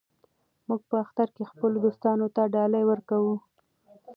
موږ په اختر کې خپلو دوستانو ته ډالۍ ورکوو.